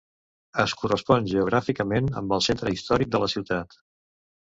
Es correspon geogràficament amb el centre històric de la ciutat.